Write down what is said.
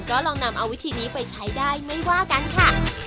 ก็ลองนำเอาวิธีนี้ไปใช้ได้ไม่ว่ากันค่ะ